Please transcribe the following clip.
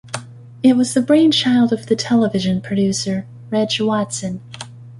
It was the brainchild of the television producer, Reg Watson.